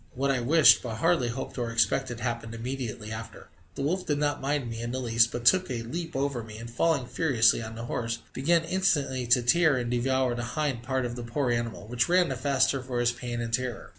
What I wished, but hardly hoped or expected, happened immediately after. The wolf did not mind me in the least, but took a leap over me, and falling furiously on the horse, began instantly to tear and devour the hind part of the poor animal, which ran the faster for his pain and terror.